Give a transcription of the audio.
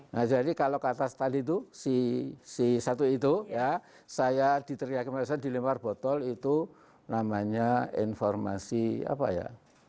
nah jadi kalau kata tadi itu si satu itu ya saya diteriak saya dilempar botol itu namanya informasi apa ya